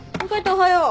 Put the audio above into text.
おはよう。